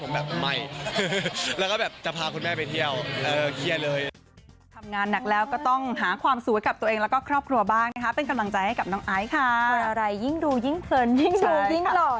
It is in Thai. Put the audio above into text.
ผมแบบไม่แล้วก็แบบจะพาคุณแม่ไปเที่ยวเออเครียดเลย